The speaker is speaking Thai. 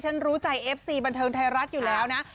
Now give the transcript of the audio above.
รู้ใจเอฟซีบันเทิงไทยรัฐอยู่แล้วนะ